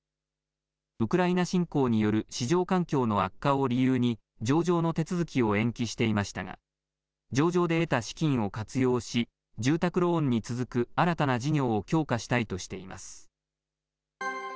ウクライナ侵攻による市場環境の悪化を理由に、上場の手続きを延期していましたが、上場で得た資金を活用し、住宅ローンに続く新たな事業を強化したいとしています。